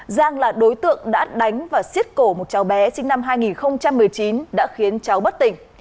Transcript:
giang là đối tượng đã đánh và xiết cổ một cháu bé sinh năm hai nghìn một mươi chín đã khiến cháu bất tỉnh